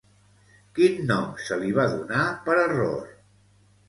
Quin nom se li va donar per error?